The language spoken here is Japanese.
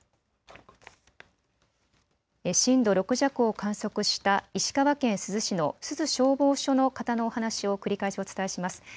震度６弱を観測した石川県珠洲市の珠洲消防署の方のお話を繰り返しお伝えします。